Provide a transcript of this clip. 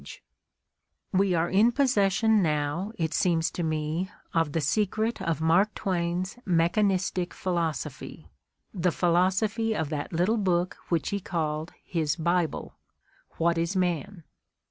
24 The Ordeal of Mark Twain We are in possession now, it seems to me, of the secret of Mark Twain 's mechanistic philosophy, the philosophy of that little book which he called his "Bible," "What Is Man?"